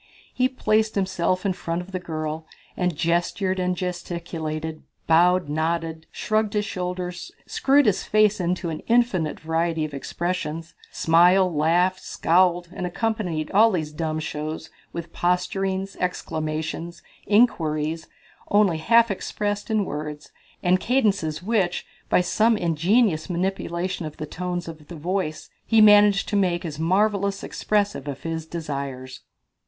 He placed himself in front of the girl and gestured and gesticulated, bowed, nodded, shrugged his shoulders, screwed his face into an infinite variety of expressions, smiled, laughed, scowled and accompanied all these dumb shows with posturings, exclamations, queries, only half expressed in words, and cadences which, by some ingenious manipulation of the tones of the voice, he managed to make as marvellous expressive of his desires.